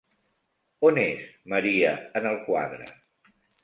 On és Maria en el quadre?